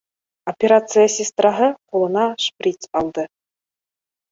Операция сестраһы ҡулына шприц алды